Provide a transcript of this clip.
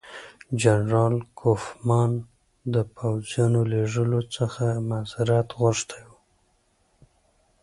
جنرال کوفمان د پوځیانو لېږلو څخه معذرت غوښتی وو.